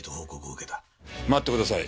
待ってください。